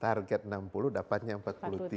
target enam puluh dapatnya empat puluh tiga